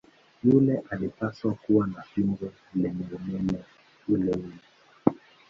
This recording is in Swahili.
Yule alipaswa kuwa na fimbo lenye unene uleule.